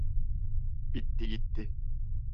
Bitti gitti.